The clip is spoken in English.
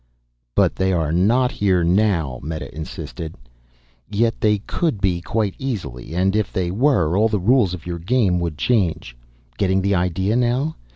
"But they are not here now," Meta insisted. "Yet they could be quite easily. And if they were, all the rules of your game would change. Getting the idea now?